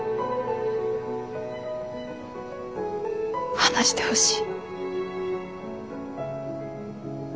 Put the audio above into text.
話してほしい。